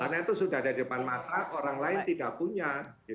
karena itu sudah ada di depan mata orang lain tidak punya gitu